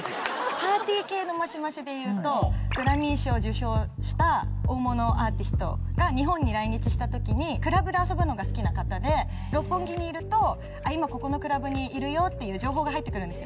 パーティー系のマシマシでいうとグラミー賞受賞した大物アーティストが日本に来日した時にクラブで遊ぶのが好きな方で六本木にいると今ここのクラブにいるよっていう情報が入って来るんです。